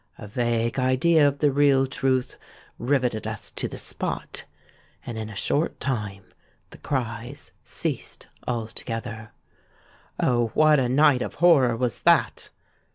A vague idea of the real truth rivetted us to the spot; and in a short time the cries ceased altogether. Oh! what a night of horror was that!